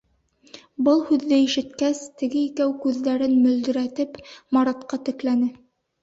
Был һүҙҙе ишеткәс, теге икәү, күҙҙәрен мөлдөрәтеп, Маратка текләне.